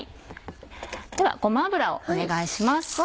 ではごま油をお願いします。